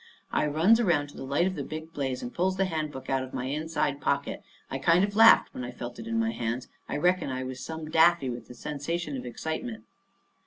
I runs around to the light of the big blaze, and pulls the Handbook out of my inside pocket. I kind of laughed when I felt it in my hands —I reckon I was some daffy with the sensation of excitement.